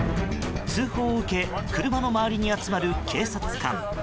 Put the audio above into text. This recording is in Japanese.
通報を受け、車の周りに集まる警察官。